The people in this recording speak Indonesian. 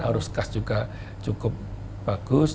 arus gas juga cukup bagus